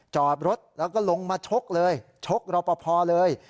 จอดรถแล้วก็ลงมาชกเลยชกรอปภเลย